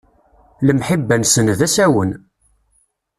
Lemḥibba-nsen, d asawen.